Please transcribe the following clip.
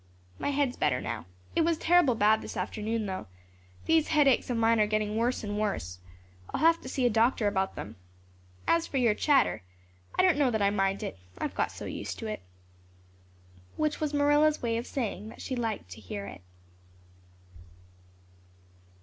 "My head is better now. It was terrible bad this afternoon, though. These headaches of mine are getting worse and worse. I'll have to see a doctor about them. As for your chatter, I don't know that I mind it I've got so used to it." Which was Marilla's way of saying that she liked to hear it.